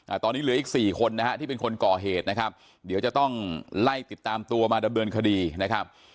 ตอนนี้เหลืออีกสี่คนนะฮะที่เป็นคนก่อเหตุนะครับเดี๋ยวจะต้องไล่ติดตามตัวมาดำเนินคดีนะครับ